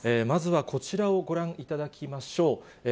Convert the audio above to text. まずはこちらをご覧いただきましょう。